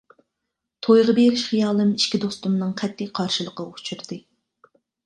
تويغا بېرىش خىيالىم ئىككى دوستۇمنىڭ قەتئىي قارشىلىقىغا ئۇچرىدى.